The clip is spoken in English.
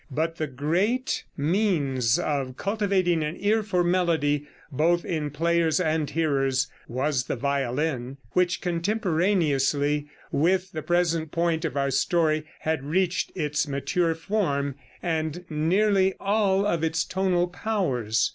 But the great means of cultivating an ear for melody, both in players and hearers, was the violin, which, contemporaneously with the present point of our story, had reached its mature form and nearly all of its tonal powers.